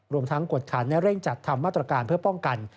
รวมทั้งกวดขันและเร่งจัดทำมาตรการเพื่อป้องกัน